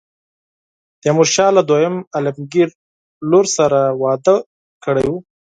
تیمورشاه له دوهم عالمګیر لور سره واده کړی وو.